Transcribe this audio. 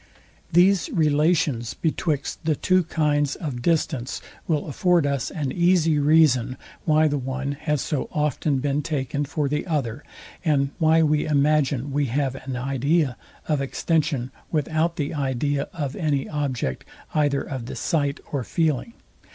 These relations betwixt the two kinds of distance will afford us an easy reason, why the one has so often been taken for the other, and why we imagine we have an idea of extension without the idea of any object either of the sight or feeling.